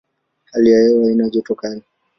Hali ya hewa haina joto kali.